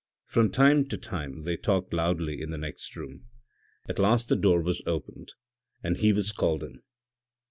From time to time they talked loudly in the next room. At last the door was opened and he was called in.